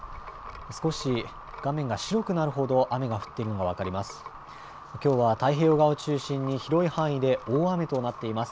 少し画面が白くなるほど雨が降っているのが分かります。